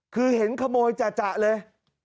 คือเห็นขโมยจ่ะเลย